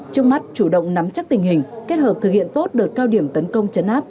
trước mắt chủ động nắm chắc tình hình kết hợp thực hiện tốt đợt cao điểm tấn công chấn áp